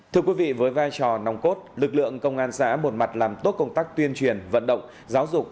thưa quý vị với vai trò nòng cốt lực lượng công an xã một mặt làm tốt công tác tuyên truyền vận động giáo dục